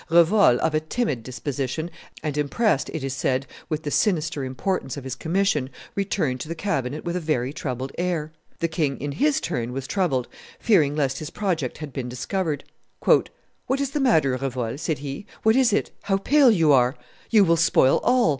Revol, of a timid disposition, and impressed, it is said, with the sinister importance of his commission, returned to the cabinet with a very troubled air. The king, in his turn, was troubled, fearing lest his project had been discovered. "What is the matter, Revol?" said he; "what is it? How pale you are! You will spoil all.